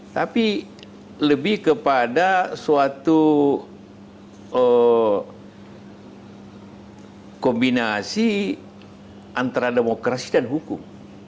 tapi lebih kepada suatu kombinasi antara demokrasi dan hukum